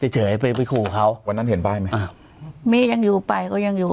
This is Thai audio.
เฉยไปไปขู่เขาวันนั้นเห็นป้ายไหมอ้าวแม่ยังอยู่ไปก็ยังอยู่